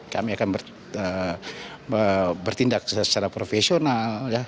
kami akan bertindak secara profesional